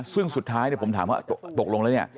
ซึ่งสุดท้ายผมถามว่าตกลงแล้วเนี่ย